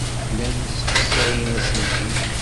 Llan ssexsayen aselkim.